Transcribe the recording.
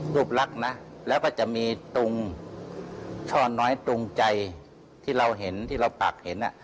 รูปลักษณ์นะแล้วก็จะมีตุงช่อน้อยตรงใจที่เราเห็นที่เราปากเห็น